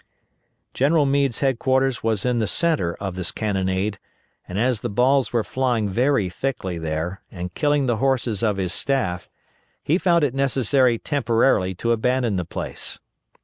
General Meade's headquarters was in the centre of this cannonade, and as the balls were flying very thickly there, and killing the horses of his staff, he found it necessary temporarily to abandon the place.